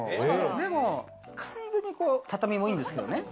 でも完全に畳もいいんですけどね。